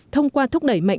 thông qua thúc đẩy mạnh